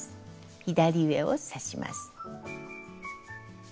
左上を刺します。